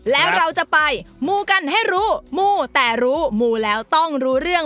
แล้วเราจะไปมูกันให้รู้มูแต่รู้มูแล้วต้องรู้เรื่อง